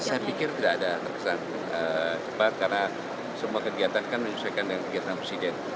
saya pikir tidak ada terkesan cepat karena semua kegiatan kan menyesuaikan dengan kegiatan presiden